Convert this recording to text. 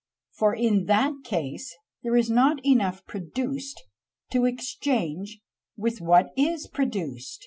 for in that case there is not enough produced to exchange with what is produced!"